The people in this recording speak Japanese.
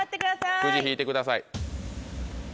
くじ引いてください。